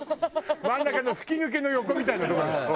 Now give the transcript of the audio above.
真ん中の吹き抜けの横みたいなとこでしょ？